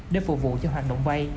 để phục vụ cho hoạt động vây